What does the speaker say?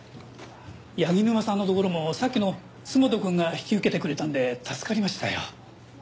柳沼さんのところもさっきの洲本くんが引き受けてくれたんで助かりましたよ。